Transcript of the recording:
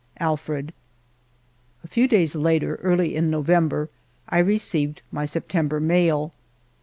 ... Alfred." A few days later, early in November, I received my September mail.